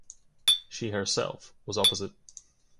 She herself was opposite.